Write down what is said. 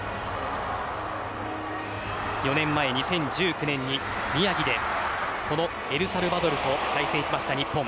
４年前、２０１９年に宮城でこのエルサルバドルと対戦しました日本。